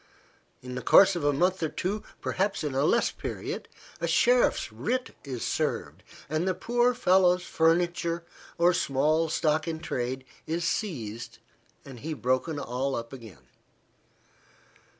In the course of a month or two, perhaps in a less period, a sheriff's writ is served, and the poor fellow's furniture, or small stock in trade, is seized, and he broken all up again.